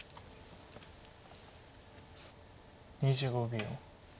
２５秒。